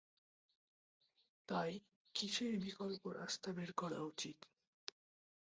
তাই কিসের বিকল্প রাস্তা বের করা উচিত?